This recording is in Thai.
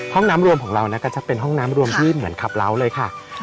ห้องน้ำรวมของเรานะคะก็จะเป็นห้องน้ำรวมที่เหมือนขับเล้าเลยค่ะ